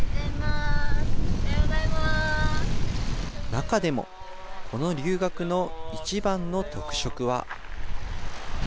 中でも、この留学の一番の特色は。